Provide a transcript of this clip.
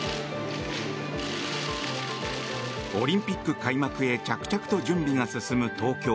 オリンピック開幕へ着々と準備が進む東京。